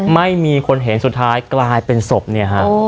ไม่มีคนเห็นสุดท้ายกลายเป็นศพเนี่ยฮะ